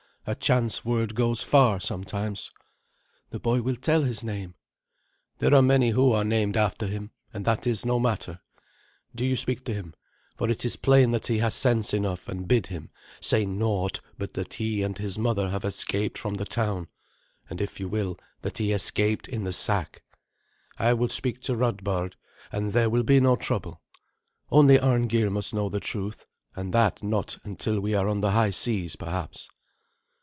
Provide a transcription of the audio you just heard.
A chance word goes far sometimes." "The boy will tell his name." "There are many who are named after him, and that is no matter. Do you speak to him, for it is plain that he has sense enough, and bid him say naught but that he and his mother have escaped from the town, and, if you will, that he escaped in the sack. I will speak to Radbard, and there will be no trouble. Only Arngeir must know the truth, and that not until we are on the high seas perhaps."